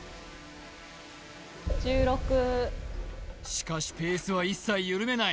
しかしペースは一切緩めない